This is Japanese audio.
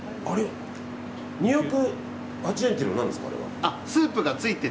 ２８０円ってのは何ですか。